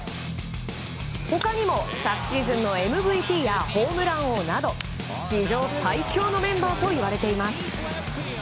他にも、昨シーズンのＭＶＰやホームラン王など史上最強のメンバーといわれています。